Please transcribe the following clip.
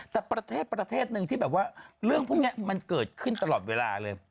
แต่ประเทศประเทศหนึ่งที่แบบว่าเรื่องพวกนี้มันเกิดขึ้นตลอดเวลาเลย